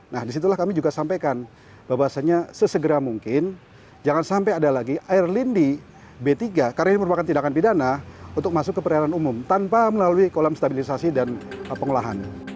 nah disitulah kami juga sampaikan bahwasannya sesegera mungkin jangan sampai ada lagi air lindi b tiga karena ini merupakan tindakan pidana untuk masuk ke perairan umum tanpa melalui kolam stabilisasi dan pengolahan